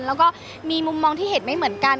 แล้วก็มีมุมมองที่เห็นไม่เหมือนกัน